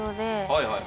はいはい。